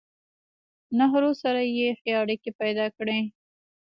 نهرو سره يې ښې اړيکې پېدا کړې